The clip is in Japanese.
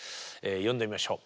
呼んでみましょう。